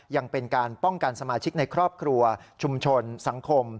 ยังเป็นการป้องกันสมาชิกในครอบครัวชุมชนสังคม